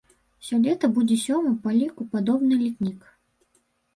Сёлета будзе сёмы па ліку падобны летнік.